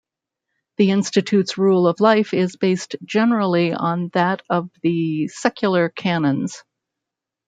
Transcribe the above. The institute's rule of life is based generally on that of the secular canons.